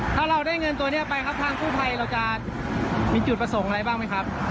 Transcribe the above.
ถ้าเราได้เงินตัวนี้ไปครับทางกู้ภัยเราจะมีจุดประสงค์อะไรบ้างไหมครับ